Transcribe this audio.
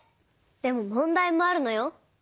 でも問題もあるのよ。